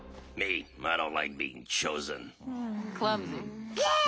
イエイ！